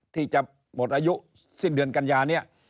ที่จะหมดอายุสิ้นเดือนกันยานี้